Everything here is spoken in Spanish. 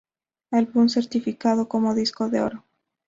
Álbum certificado como disco de oro.